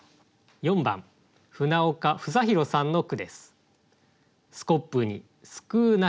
４番船岡房公さんの句です。